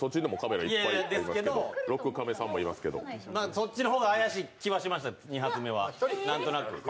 そっちの方が怪しい気はしました、２発目はなんとなく。